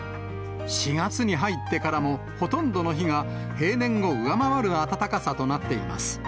４月に入ってからも、ほとんどの日が、平年を上回る暖かさとなっています。